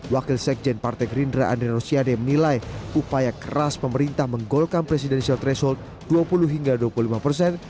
wakil sekjen partai gerindra andre rosiade menilai upaya keras pemerintah menggolkan presidensial threshold dua puluh hingga dua puluh lima persen